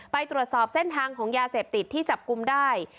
ไปตรวจสอบเส้นทางของยาเสพติดที่จับกลุ่มได้